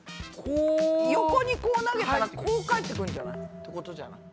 横にこう投げたらこう帰ってくるんじゃない？ってことじゃない？